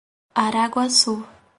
Araguaçu